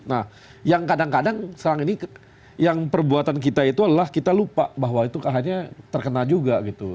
nah yang kadang kadang sekarang ini yang perbuatan kita itu adalah kita lupa bahwa itu kayaknya terkena juga gitu